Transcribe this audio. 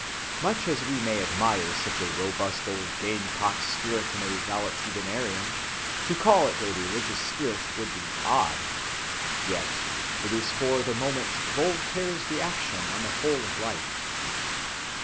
Much as we may admire such a robust old gamecock spirit in a valetudinarian, to call it a religious spirit would be odd. Yet it is for the moment Voltaire's reaction on the whole of life.